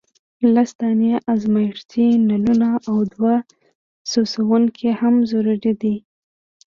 لس دانې ازمیښتي نلونه او دوه څڅونکي هم ضروري دي.